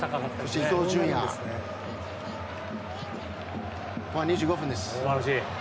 後半２５分です。